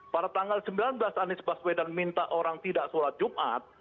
pada tanggal sembilan belas anies baswedan minta orang tidak sholat jumat